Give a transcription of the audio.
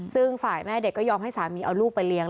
ซึ่งฝ่ายแม่เด็กก็ยอมให้สามีเอาลูกไปเลี้ยง